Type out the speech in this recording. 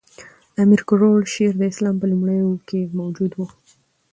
د امیر کروړ شعر د اسلام په لومړیو کښي موجود وو.